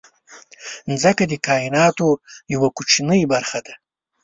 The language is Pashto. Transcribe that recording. مځکه د کایناتو یوه کوچنۍ برخه ده.